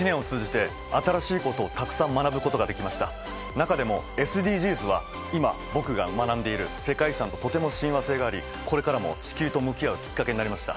中でもＳＤＧｓは今僕が学んでいる世界遺産ととても親和性がありこれからも地球と向き合うきっかけになりました。